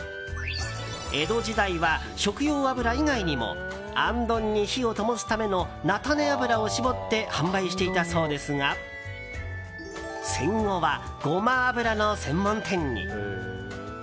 江戸時代は、食用油以外にもあんどんに火をともすための菜種油を搾って販売していたそうですが戦後は、ゴマ油の専門店に。